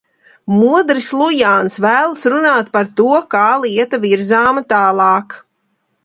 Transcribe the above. Modris Lujāns vēlas runāt par to, kā lieta virzāma tālāk.